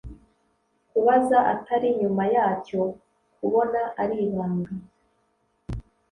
kubaza atari nyuma yacyo, kubona ari ibanga;